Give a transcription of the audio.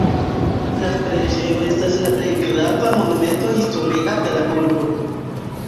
La preĝejo estas la plej grava Monumento historia de la urbo.